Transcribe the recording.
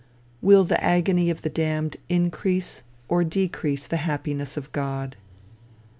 Will the agony of the damned increase or decrease the happiness of God?